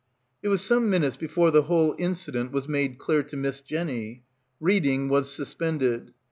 It was some minutes before the whole incident was made clear to Miss Jenny. Reading was sus pended.